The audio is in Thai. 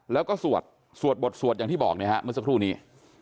แล้วก็สวดสวดบทสวดอย่างที่บอกเนี่ยฮะเมื่อสักครู่นี้